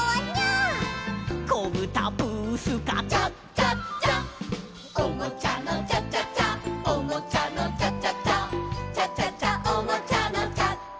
「こぶたブースカ」「チャチャチャ」「おもちゃのチャチャチャおもちゃのチャチャチャ」「チャチャチャおもちゃのチャチャチャ」